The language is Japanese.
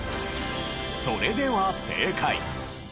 それでは正解。